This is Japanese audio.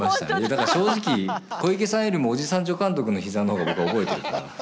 だから正直小池さんよりもおじさん助監督の膝の方が僕は覚えてるかな。